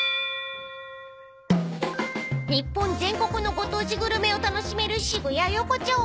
［日本全国のご当地グルメを楽しめる渋谷横丁］